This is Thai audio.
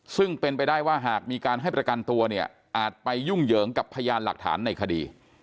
ซึ่งเป็นไปได้ว่าหากมีการให้ประกันตัวเนี่ยอาจไปยุ่งเหยิงกับพยานหลักฐานในคดี